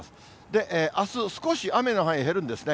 で、あす少し雨の範囲、減るんですね。